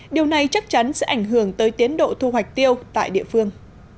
điều này chắc chắn sẽ ảnh hưởng tới tiến độ thu hoạch tiêu tại địa phương